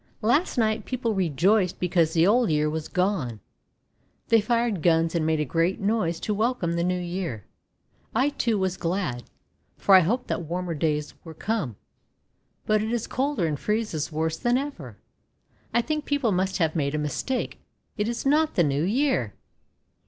Last night people rejoiced because the Old Year was gone. They fired guns and made a great noise to welcome the New Year. I, too, was glad, for I hoped that warmer days were come. But it is colder and freezes worse than ever! I think people must have made a mis take— it is not the New Year!'